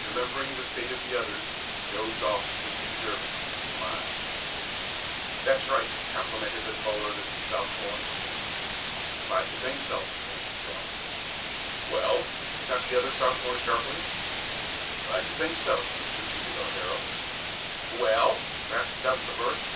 Remembering the fate of the others, Joe doffed his new derby, and smiled. "That's right," complimented the taller of the two Sophomores. "Glad you think so," answered Joe. "Well?" snapped the other Sophomore sharply. "Glad you think so," repeated our hero. "Well?" rasped out the first.